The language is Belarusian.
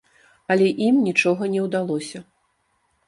Але ім нічога не ўдалося.